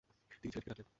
তিনি ছেলেটিকে ডাকলেন।